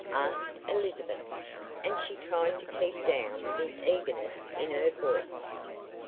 asked Elizabeth, and she tried to keep down the eagerness in her voice.